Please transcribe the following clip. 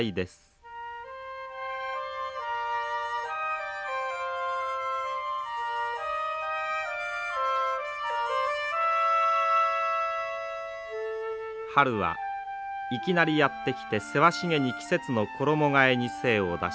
春はいきなりやって来てせわしげに季節の衣がえに精を出します。